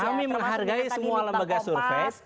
kami menghargai semua lembaga survei